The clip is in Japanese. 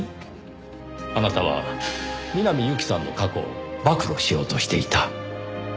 あなたは南侑希さんの過去を暴露しようとしていた。